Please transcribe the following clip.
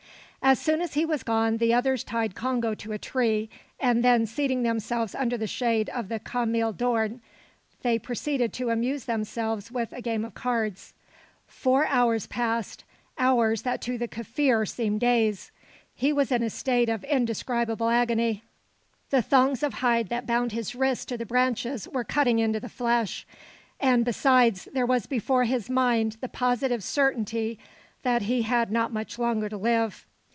As soon as he was gone, the others tied Congo to a tree, and then seating themselves under the shade of the cameel doorn, they proceeded to amuse themselves with a game of cards. Four hours passed, hours that to the Kaffir seemed days. He was in a state of indescribable agony. The thongs of hide that bound his wrists to the branches were cutting into the flesh, and besides, there was before his mind the positive certainty that he had not much longer to live.